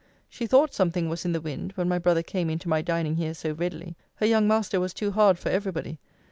She thought something was in the wind, when my brother came into my dining here so readily. Her young master was too hard for every body.